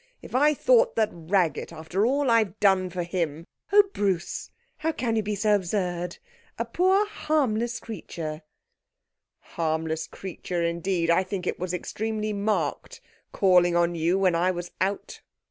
If I thought that Raggett, after all I've done for him ' 'Oh, Bruce! How can you be so absurd? A poor harmless creature ' 'Harmless creature, indeed! I think it extremely marked, calling on you when I was out.'